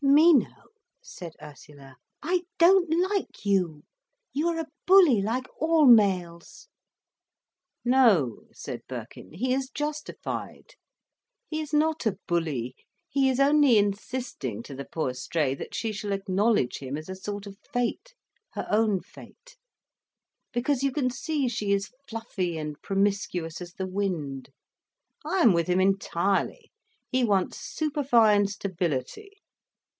"Mino," said Ursula, "I don't like you. You are a bully like all males." "No," said Birkin, "he is justified. He is not a bully. He is only insisting to the poor stray that she shall acknowledge him as a sort of fate, her own fate: because you can see she is fluffy and promiscuous as the wind. I am with him entirely. He wants superfine stability."